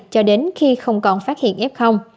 cho đến khi không còn phát hiện f